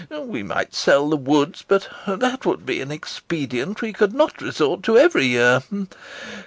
We might sell the woods, but that would be an expedient we could not resort to every year.